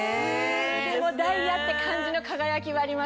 ダイヤって感じの輝きはありますね。